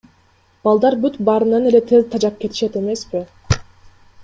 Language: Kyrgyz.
Балдар бүт баарынан эле тез тажап кетишет эмеспи.